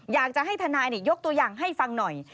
อยากจะให้ทนายยกตัวอย่างให้ฟังหน่อย